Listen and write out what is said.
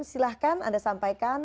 silahkan anda sampaikan